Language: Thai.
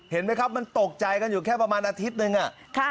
เห็นไหมครับมันตกใจกันอยู่แค่ประมาณอาทิตย์นึง